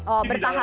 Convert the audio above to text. oh bertahap juga ya